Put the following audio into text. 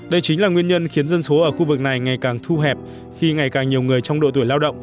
đây chính là nguyên nhân khiến dân số ở khu vực này ngày càng thu hẹp khi ngày càng nhiều người trong độ tuổi lao động